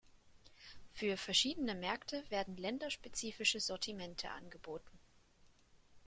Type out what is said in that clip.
Für verschiedene Märkte werden länderspezifische Sortimente angeboten.